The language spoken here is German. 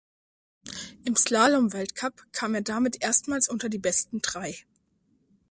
Im Slalomweltcup kam er damit erstmals unter die besten drei.